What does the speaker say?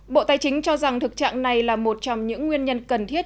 bộ tài chính cho rằng thực trạng này là một trong những nguyên nhân cần thiết